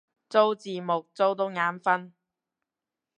做字幕做到眼憤